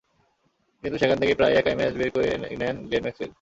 কিন্তু সেখান থেকে প্রায় একাই ম্যাচ বের করে নেন গ্লেন ম্যাক্সওয়েল।